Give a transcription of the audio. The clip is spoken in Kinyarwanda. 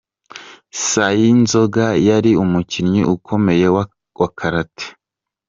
Sayinzoga yari umukinnyi ukomeye wa Karate.